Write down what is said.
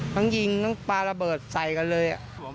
ทั้งยิงทั้งปลาระเบิดใส่กันเลย